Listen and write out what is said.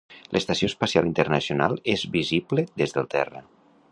L'estació espacial internacional és visible des del terra.